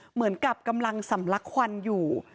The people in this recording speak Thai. เหมือนกับกำลังสำลักควันอยู่